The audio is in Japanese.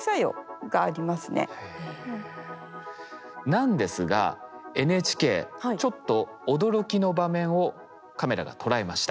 なんですがＮＨＫちょっと驚きの場面をカメラが捉えました。